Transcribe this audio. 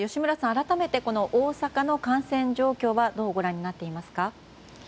改めて大阪の感染状況はどうご覧になっていますか。